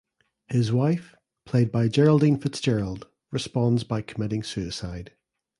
His wife (played by Geraldine Fitzgerald) responds by committing suicide.